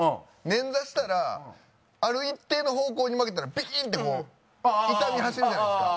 捻挫したらある一定の方向に曲げたらビーン！ってこう痛み走るじゃないですか。